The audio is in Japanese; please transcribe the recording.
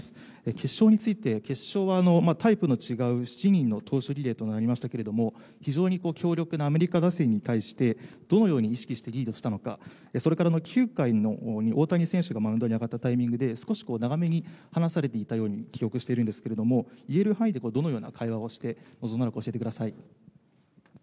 決勝について、決勝はタイプの違う７人の投手リレーとなりましたけれども、非常に強力なアメリカ打線に対して、どのように意識してリードしたのか、それから９回に大谷選手がマウンドに上がったタイミングで、少し長めに話されていたように記憶しているんですけれども、言える範囲でどのような会話をして臨んだのか、教えてください。